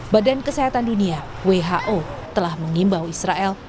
badan kesehatan dunia who telah mengimbau israel